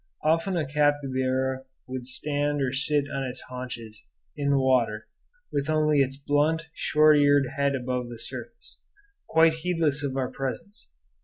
Often a capybara would stand or sit on its haunches in the water, with only its blunt, short eared head above the surface, quite heedless of our presence.